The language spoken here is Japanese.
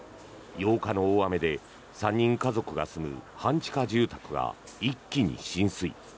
８日の大雨で３人家族が住む半地下住居が一気に浸水。